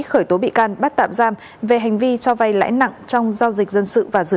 khởi tố bị can bắt tạm giam về hành vi cho vay lãi nặng trong giao dịch dân sự